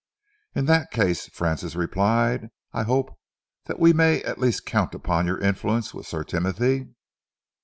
"In that case," Francis replied, "I hope that we may at least count upon your influence with Sir Timothy?"